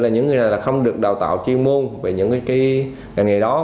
những người này không được đào tạo chuyên môn về những cái nghề đó